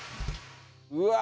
うわ！